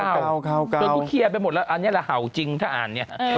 จนเขาเคลียร์ไปหมดแล้วอันนี้ละเห่าจริงถ้าอ่านเนี่ย